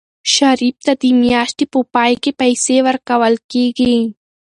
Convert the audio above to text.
شریف ته د میاشتې په پای کې پیسې ورکول کېږي.